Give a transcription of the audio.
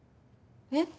えっ？